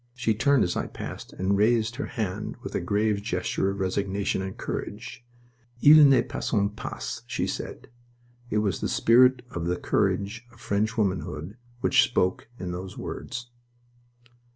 She turned as I passed and raised her hand with a grave gesture of resignation and courage. "Ils ne passeront pas!" she said. It was the spirit of the courage of French womanhood which spoke in those words.